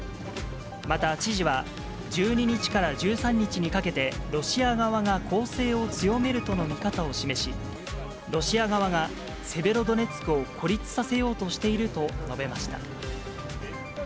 また、知事は、１２日から１３日にかけて、ロシア側が攻勢を強めるとの見方を示し、ロシア側がセベロドネツクを孤立させようとしていると述べました。